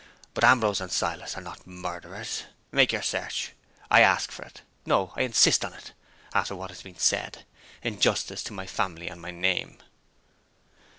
But Ambrose and Silas are not murderers. Make your search! I ask for it; no, I insist on it, after what has been said, in justice to my family and my name!"